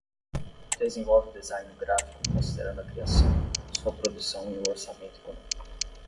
Desenvolve o design gráfico considerando a criação, sua produção e o orçamento econômico.